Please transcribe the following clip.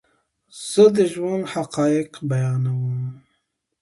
زه دژوند حقایق بیانوم